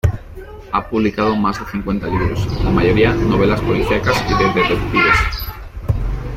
Ha publicado más de cincuenta libros, la mayoría novelas policiacas y de detectives.